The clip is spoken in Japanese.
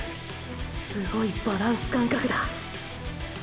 すごいバランス感覚だ。